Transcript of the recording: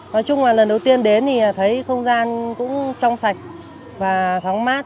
nói chung là lần đầu tiên đến thì thấy không gian cũng trong sạch và thoáng mát